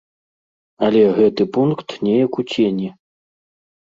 Але гэты пункт неяк у цені.